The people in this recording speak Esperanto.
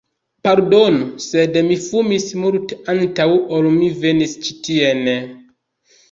Pardonu, sed mi fumis multe antaŭ ol mi venis ĉi tien...